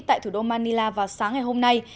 tại thủ đô manila vào sáng ngày hôm nay